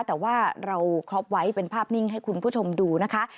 แต่ว่าเราครอบไว้เป็นภาพนิ่งให้คุณผู้ชมดูนะคะ